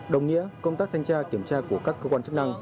đồng nghĩa công tác thanh tra kiểm tra của các cơ quan chức năng